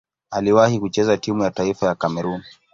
Aliwahi kucheza timu ya taifa ya Kamerun.